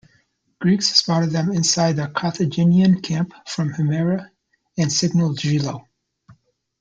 Greeks spotted them inside the Carthaginian camp from Himera and signaled Gelo.